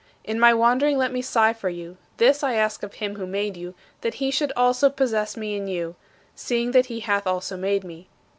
In my wandering let me sigh for you; this I ask of him who made you, that he should also possess me in you, seeing that he hath also made me.